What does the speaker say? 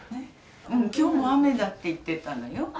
今日も雨だって言ってたのよ。